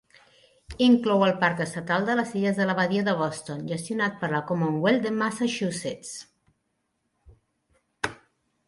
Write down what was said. Inclou el Parc Estatal de les Illes de la Badia de Boston, gestionat per la Commonwealth de Massachusetts.